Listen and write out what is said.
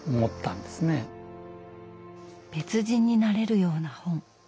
別人になれるような本。